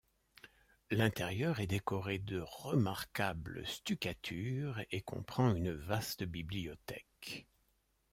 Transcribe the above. L'intérieur est décoré de remarquables stucatures et comprend une vaste bibliothèque.